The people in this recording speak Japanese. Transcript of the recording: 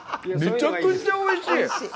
めちゃくちゃおいしい。